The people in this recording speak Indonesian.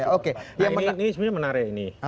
ini sebenarnya menarik ini